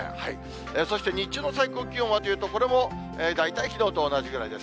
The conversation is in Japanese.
そして日中の最高気温はというと、これも大体きのうと同じぐらいです。